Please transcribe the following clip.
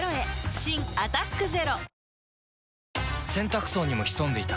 新「アタックＺＥＲＯ」洗濯槽にも潜んでいた。